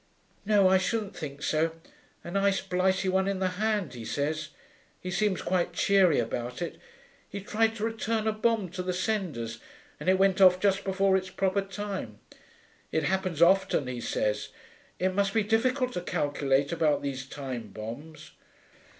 'No, I shouldn't think so. A nice blighty one in the hand, he says. He seems quite cheery about it. He tried to return a bomb to the senders, and it went off just before its proper time. It happens often, he says. It must be difficult to calculate about these time bombs.'